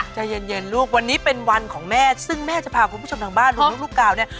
ใจเย็นลูกวันนี้เป็นวันของแม่ซึ่งแม่จะพาคุณผู้ชมทางบ้านรวมลูกกาวเนี่ย